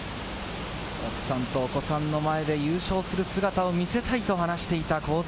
奥さんとお子さんの前で優勝する姿を見せたいと話していた香妻